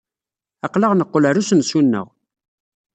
Aql-aɣ neqqel ɣer usensu-nneɣ.